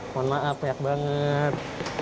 mohon maaf banyak banget